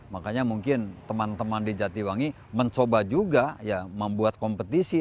makanya mungkin teman teman di jatiwangi mencoba juga ya membuat kompetisi